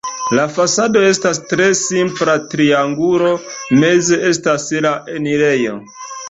La fasado estas tre simpla triangulo, meze estas la enirejo.